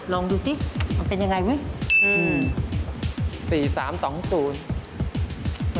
ลองดูสิมันเป็นยังไง